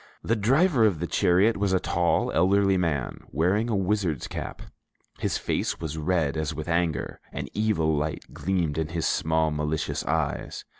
The driver of the chariot was a tall, elderly man, wearing a wizard's cap; his face was red as with anger, an evil light gleamed in his small malicious eyes.